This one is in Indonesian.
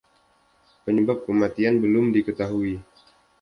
Penyebab kematian belum diketahui.